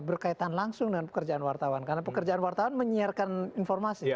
berkaitan langsung dengan pekerjaan wartawan karena pekerjaan wartawan menyiarkan informasi